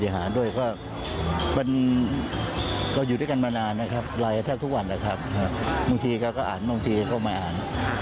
บางทีเขาก็อ่านบางทีก็มาอ่าน